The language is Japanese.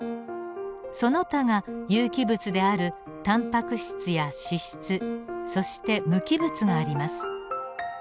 その他が有機物であるタンパク質や脂質そして無機物があります。